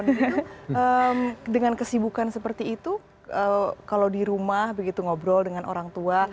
jadi itu dengan kesibukan seperti itu kalau di rumah begitu ngobrol dengan orang tua